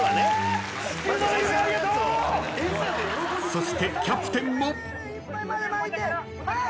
［そしてキャプテンも］はい！